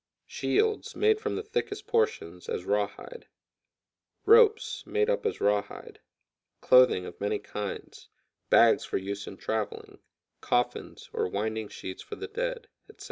Shields, made from the thickest portions, as rawhide; ropes, made up as rawhide; clothing of many kinds; bags for use in traveling; coffins, or winding sheets for the dead, etc.